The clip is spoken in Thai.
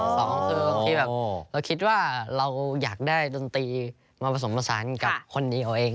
สองคือบางทีแบบเราคิดว่าเราอยากได้ดนตรีมาผสมผสานกับคนดีเอาเอง